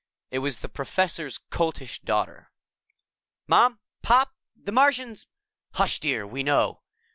It was the Professor's Coltish Daughter. "Mom, Pop, the Martian's " "Hush, dear. We know."